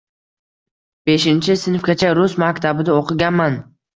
— Beshinchi sinfgacha rus maktabida o‘qiganman.